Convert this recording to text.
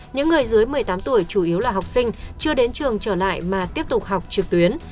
những người dưới một mươi tám tuổi chủ yếu là học sinh chưa đến trường trở lại mà tiếp tục học trực tuyến